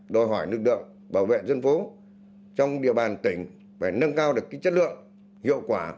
đòi hỏi lực lượng bảo vệ dân phố trong địa bàn tỉnh phải nâng cao được chất lượng hiệu quả